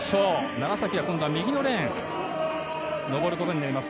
楢崎、今度は右のレーンを登ることになります。